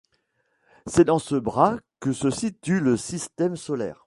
C'est dans ce bras que se situe le Système solaire.